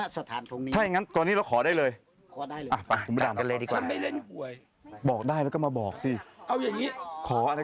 ใช่อย่างนั้นก่อนนี้เราขอได้เลย